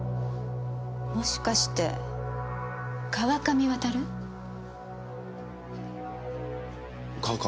もしかして川上渉？川上？